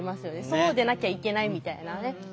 そうでなきゃいけないみたいなね。